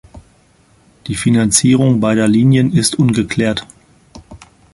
Die Finanzierung beider Linien ist ungeklärt.